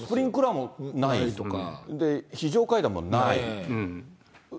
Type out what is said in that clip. スプリンクラーもない、非常階段もない。